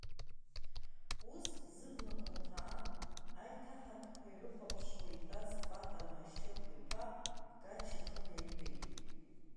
Ус, зыблақәа ҭаа, аиҭаҳатәқәа ирыхәаԥшуа итәаз Пата Машьыхә-иԥа, Гач ихы наиқәикит…